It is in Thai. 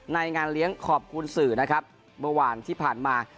งานเลี้ยงขอบคุณสื่อนะครับเมื่อวานที่ผ่านมา